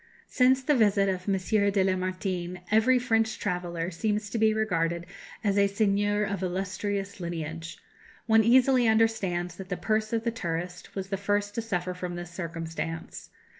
Since the visit of M. de Lamartine every French traveller seems to be regarded as a seigneur of illustrious lineage. One easily understands that the purse of the tourist was the first to suffer from this circumstance.